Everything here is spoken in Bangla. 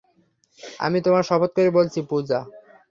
আমি তোমার শপথ করে বলছি, পূজা।